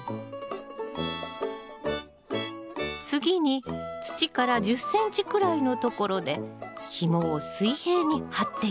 次に土から１０ｃｍくらいのところでひもを水平に張っていくの。